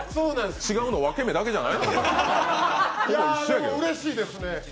違うの分け目だけじゃない？